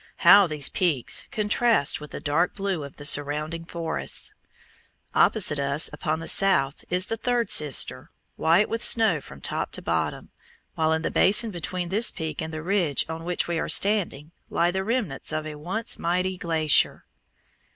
How these peaks contrast with the dark blue of the surrounding forests! Opposite us, upon the south, is the third Sister, white with snow from top to bottom, while in the basin between this peak and the ridge on which we are standing lie the remnants of a once mighty glacier.